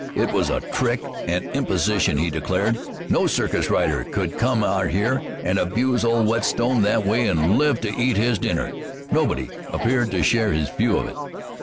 It was a trick, an imposition, he declared. No circus rider could come there and abuse old Whetstone that way and live to eat his dinner. Nobody appeared to share his view of it.